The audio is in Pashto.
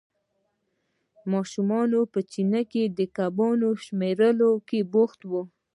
ماشوم په چینه کې د کبانو شمېرلو کې بوخت وو.